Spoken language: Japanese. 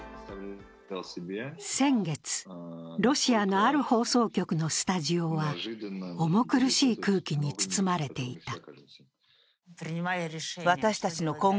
先月、ロシアのある放送局のスタジオは重苦しい空気に包まれていた。